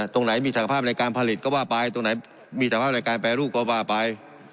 ตรงไหนมีศักยภาพในการผลิตก็ว่าไปตรงไหนมีศักภาพในการแปรรูปก็ว่าไป